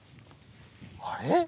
あれ？